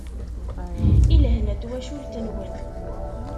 I lehna n twacult-nwen.